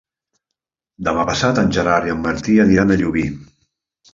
Demà passat en Gerard i en Martí aniran a Llubí.